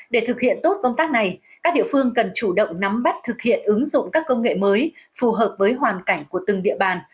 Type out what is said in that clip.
để thực hiện tốt công tác này các địa phương cần chủ động nắm bắt thực hiện ứng dụng các công nghệ mới phù hợp với hoàn cảnh của từng địa bàn